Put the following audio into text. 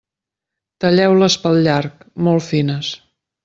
Talleu-les pel llarg, molt fines.